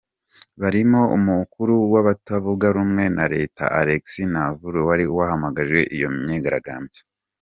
Barimo umukuru w'abatavuga rumwe na leta, Alexei Navalny, wari wahamagaje iyo myigaragambyo, .